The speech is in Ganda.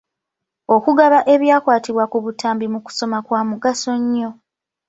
Okugaba ebyakwatibwa ku butambi mu kusoma kya mugaso nnyo.